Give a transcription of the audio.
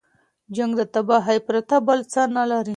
جنګ د تباهۍ پرته بل څه نه لري.